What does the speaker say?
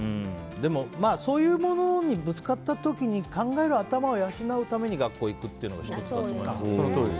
そういうものにぶつかった時に考える頭を養うために学校に行くというのが１つありますね。